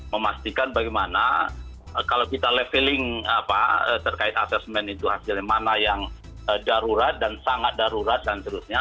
memastikan bagaimana kalau kita leveling terkait asesmen itu hasilnya mana yang darurat dan sangat darurat dan seterusnya